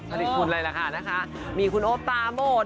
ผลิตคุณอะไรนะคะมีคุณโอ๊ดปราโมด